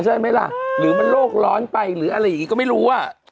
ใช่ไหมล่ะหรือมันโรคร้อนไปหรืออะไรอย่างนี้ก็ไม่รู้อ่ะ